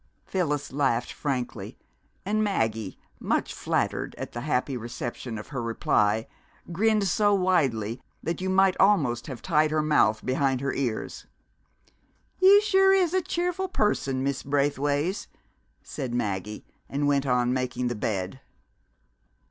Phyllis laughed frankly, and Maggie, much flattered at the happy reception of her reply, grinned so widely that you might almost have tied her mouth behind her ears. "You sure is a cheerful person, Miss Braithways!" said Maggie, and went on making the bed.